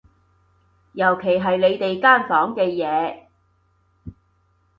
尤其係你哋間房嘅嘢